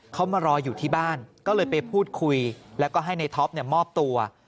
เขามารออยู่ที่บ้านก็เลยไปพูดคุยแล้วก็ให้ในท็อปมอบตัว